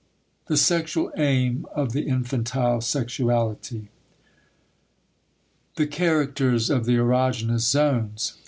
THE SEXUAL AIM OF THE INFANTILE SEXUALITY *The Characters of the Erogenous Zones.